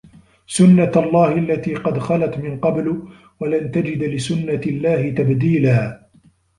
سُنَّةَ اللَّهِ الَّتي قَد خَلَت مِن قَبلُ وَلَن تَجِدَ لِسُنَّةِ اللَّهِ تَبديلًا